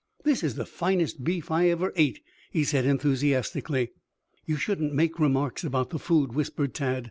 "That is the finest beef I ever ate," he said enthusiastically. "You shouldn't make remarks about the food," whispered Tad.